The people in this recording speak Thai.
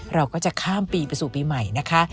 เราก็จะข้ามปีไปสู่ปีใหม่นะคะ